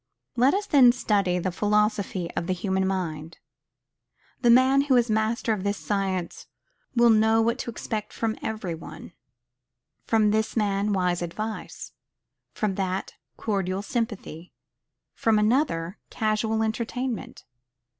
Let us then study the philosophy of the human mind. The man who is master of this science will know what to expect from every one. From this man, wise advice; from that, cordial sympathy; from another, casual entertainment.